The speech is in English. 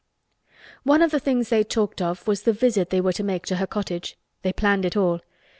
One of the things they talked of was the visit they were to make to her cottage. They planned it all.